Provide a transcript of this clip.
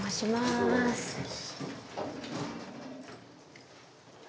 はい。